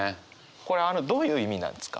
これどういう意味なんですか？